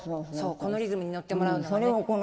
このリズムに乗ってもらうのがね。